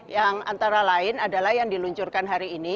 yang antara lain adalah yang diluncurkan hari ini